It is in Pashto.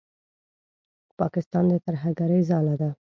پاکستان د ترهګرۍ ځاله ده.